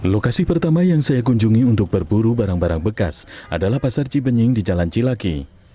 lokasi pertama yang saya kunjungi untuk berburu barang barang bekas adalah pasar cibenying di jalan cilaki